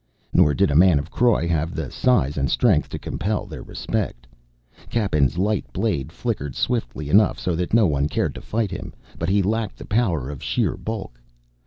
Nor did a man of Croy have the size and strength to compel their respect; Cappen's light blade flickered swiftly enough so that no one cared to fight him, but he lacked the power of sheer bulk.